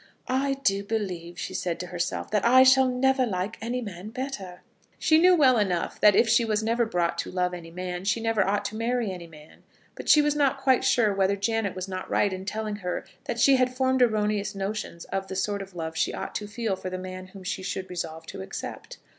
"I do believe," she said to herself, "that I shall never like any man better." She knew well enough that if she was never brought to love any man, she never ought to marry any man; but she was not quite sure whether Janet was not right in telling her that she had formed erroneous notions of the sort of love she ought to feel for the man whom she should resolve to accept.